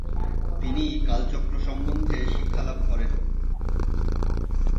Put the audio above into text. তিনি কালচক্র সম্বন্ধে শিক্ষালাভ করেন।